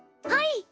はい。